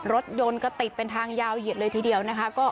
รถยนต์ก็ติดเป็นทางยาวเหยียดเลยทีเดียวนะคะ